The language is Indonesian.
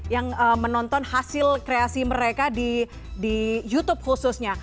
yang menonton hasil kreasi mereka di youtube khususnya